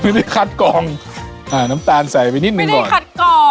ไม่ได้คัดกองอ่าน้ำตาลใส่ไปนิดหนึ่งก่อนไม่ได้คัดกองอ่ะ